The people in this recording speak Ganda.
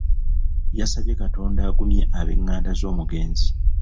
Yasabye Katonda agumye ab'enganda z'omugenzi.